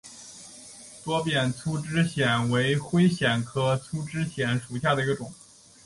多变粗枝藓为灰藓科粗枝藓属下的一个种。